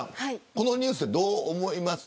このニュースどう思いますか。